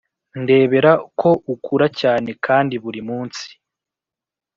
ndebera ko ukura cyane kandi buri munsi,